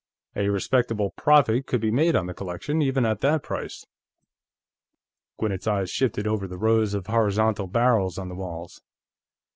"A respectable profit could be made on the collection, even at that price." Gwinnett's eyes shifted over the rows of horizontal barrels on the walls.